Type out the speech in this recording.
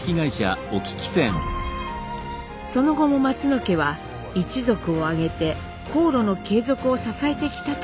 その後も松野家は一族を挙げて航路の継続を支えてきたといいます。